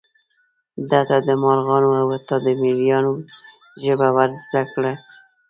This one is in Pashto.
ده ته د مارغانو او حتی د مېږیانو ژبه ور زده کړل شوې وه.